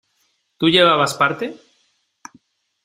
¿ tú llevabas parte?